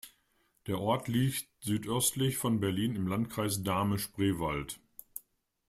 Der Ort liegt südöstlich von Berlin im Landkreis Dahme-Spreewald.